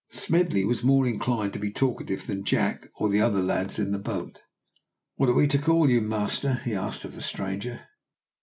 Smedley was more inclined to be talkative than Jack or the other lads in the boat. "What are we to call you, master?" he asked of the stranger.